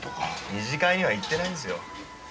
二次会には行ってないんですよ。